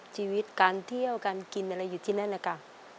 ชีวิตการเที่ยวการกินอะไรอยู่ที่นั่นนะคะ